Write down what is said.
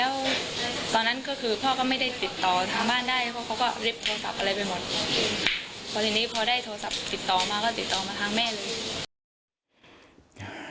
ก็ติดต่อมาทางแม่เลย